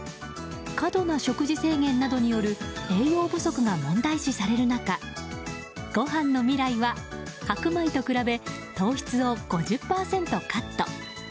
過度な食事制限などによる栄養不足が問題視される中ごはんのみらいは白米と比べ糖質を５０％カット。